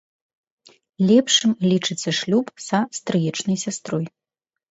Лепшым лічыцца шлюб са стрыечнай сястрой.